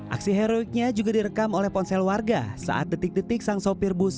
aksi heroiknya juga direkam oleh ponsel warga saat detik detik sang sopir bus